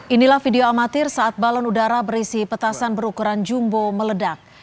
inilah video amatir saat balon udara berisi petasan berukuran jumbo meledak